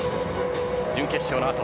準決勝の後